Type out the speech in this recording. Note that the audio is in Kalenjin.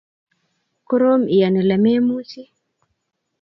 korom iyan Ile memuchi